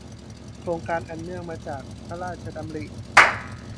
โครงการอันเนื่องมาจากพระราชดำริ